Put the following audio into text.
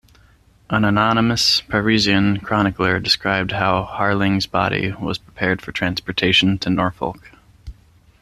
An anonymous Parisian chronicler described how Harling's body was prepared for transportation to Norfolk.